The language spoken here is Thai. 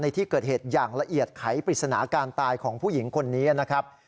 ในที่เกิดเหตุอย่างละเอียดไขปริศนาการตายของผู้หญิงคนนี้นะครับ